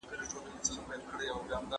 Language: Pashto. دویني ګروپ د صحي ژوند لپاره اړین دی.